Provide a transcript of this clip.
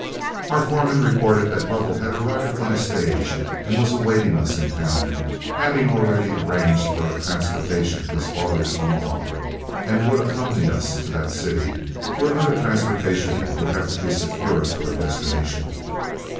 Our foreman reported that Lovell had arrived by stage and was awaiting us in town, having already arranged for our transportation as far as Omaha, and would accompany us to that city, where other transportation would have to be secured to our destination.